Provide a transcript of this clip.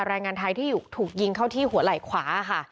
แรงงานไทยที่ถูกยิงเข้าที่หัวไหล่ขวาค่ะ